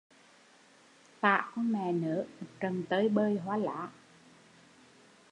Tả con mẹ nớ một trận tơi bời hoa lá